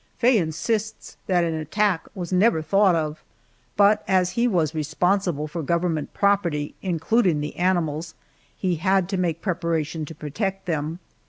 Faye insists that an attack was never thought of, but as he was responsible for government property, including the animals, he had to make preparation to protect them.